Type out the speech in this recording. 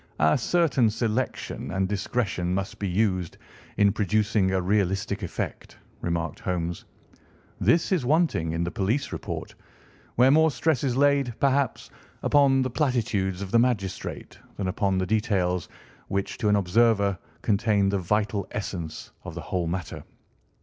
"A certain selection and discretion must be used in producing a realistic effect," remarked Holmes. "This is wanting in the police report, where more stress is laid, perhaps, upon the platitudes of the magistrate than upon the details, which to an observer contain the vital essence of the whole matter.